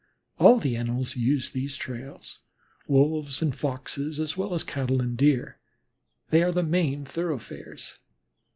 All animals use these trails, Wolves and Foxes as well as Cattle and Deer: they are the main thoroughfares.